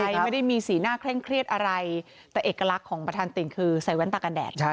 ใช่ไม่ได้มีสีหน้าเคร่งเครียดอะไรแต่เอกลักษณ์ของประธานติ่งคือใส่แว่นตากันแดดนะ